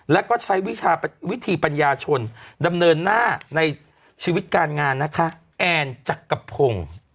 แล้วก็ใช้วิธีปัญญาชนดำเนินหน้าในชีวิตการงานนะคะแอนจักรพงศ์